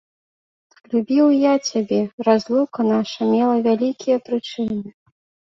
Любіў і я цябе, разлука наша мела вялікія прычыны.